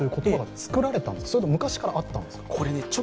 それとも昔からあったんですか？